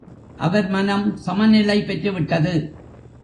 அவர் மனம் சமநிலை பெற்றுவிட்டது.